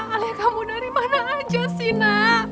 ayah kamu dari mana aja sih nak